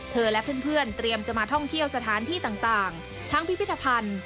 และเพื่อนเตรียมจะมาท่องเที่ยวสถานที่ต่างทั้งพิพิธภัณฑ์